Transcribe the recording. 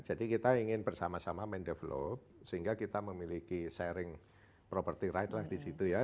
jadi kita ingin bersama sama men develop sehingga kita memiliki sharing property right lah di situ ya